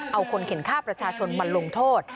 เอาคนเข็นค่าประชาชนมาลงโทษ